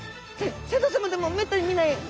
船長さまでもめったに見ない？